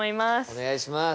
お願いします。